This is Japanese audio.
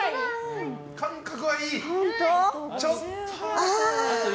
感覚はいい！